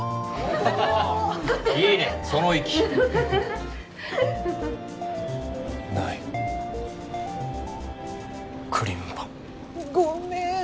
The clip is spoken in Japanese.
おおっいいねその意気ないクリームパンごめん